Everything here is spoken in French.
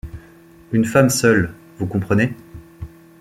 Une femme seule, vous comprenez…